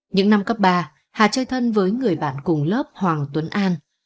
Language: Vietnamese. những năm cấp ba hà chơi thân với người bạn cùng lớp hoàng tuấn an